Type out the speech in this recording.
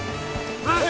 はい！